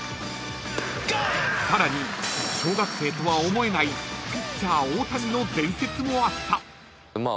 ［さらに小学生とは思えないピッチャー大谷の伝説もあった］